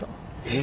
え！